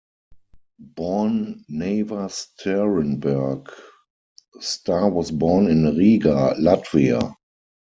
Born Nava Sterenberg, Starr was born in Riga, Latvia.